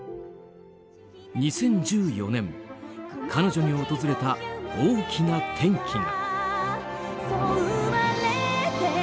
２０１４年、彼女に訪れた大きな転機が。